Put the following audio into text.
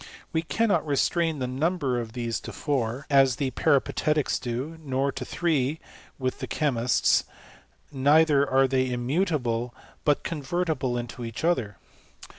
We cannot restrain the number of these to four, as the Peripatetics do ; nor to three, with the chemists : neither are they immutable, but convertible into each other.